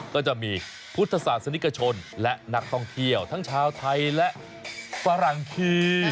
ก็จะมีพุทธศาสนิกชนและนักท่องเที่ยวทั้งชาวไทยและฝรั่งคี